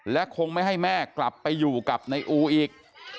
และคงไม่ให้แม่กลับไปอยู่กับนายอูอีก